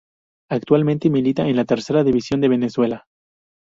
Actualmente milita en la Tercera División de Venezuela.